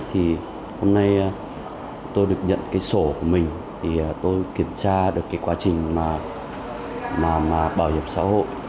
hôm nay tôi được nhận sổ của mình tôi kiểm tra được quá trình bảo hiểm xã hội